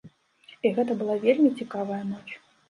І гэта была вельмі цікавая ноч.